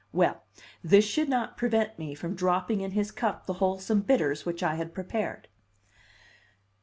Well, this should not prevent me from dropping in his cup the wholesome bitters which I had prepared.